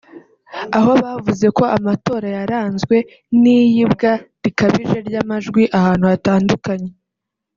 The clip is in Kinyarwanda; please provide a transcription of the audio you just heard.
aho bavuze ko amatora yaranzwe n’iyibwa rikabije ry’amajwi ahantu hatandukanye